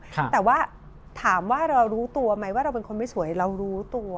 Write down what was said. แต่ว่าถามว่าเรารู้ตัวไหมว่าเราเป็นคนไม่สวยเรารู้ตัว